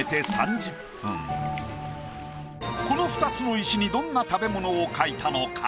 この２つの石にどんな食べ物を描いたのか？